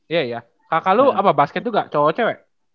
iya iya kakak lu basket tuh gak cowok cewek